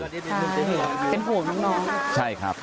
ใช่เป็นห่วงนี่หรือเปล่าค่ะใช่ครับ